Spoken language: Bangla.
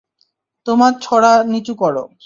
তোমার ছোরা নিচু করো।